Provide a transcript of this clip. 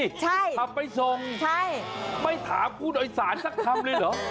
ใช่ใช่ทำไปทรงไม่ถามผู้โดยสารสักคำเลยเหรอ